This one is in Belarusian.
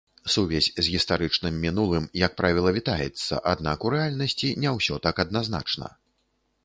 Сувязь з гістарычным мінулым, як правіла, вітаецца, аднак у рэальнасці не ўсё так адназначна.